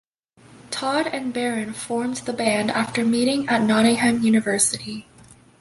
Todd and Baron formed the band after meeting at Nottingham University.